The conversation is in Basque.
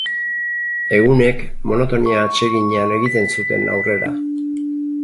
Egunek monotonia atseginean egiten zuten aurrera.